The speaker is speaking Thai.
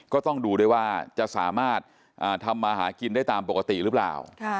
ก็ต้องดูด้วยว่าจะสามารถทำมาหากินได้ตามปกติหรือเปล่า